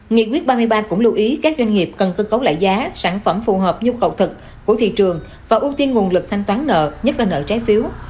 nghị quyết ba mươi ba cũng lưu ý các doanh nghiệp cần cơ cấu lại giá sản phẩm phù hợp nhu cầu thật của thị trường và ưu tiên nguồn lực thanh toán nợ nhất là nợ trái phiếu